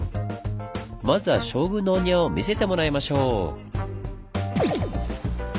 まずは将軍のお庭を見せてもらいましょう！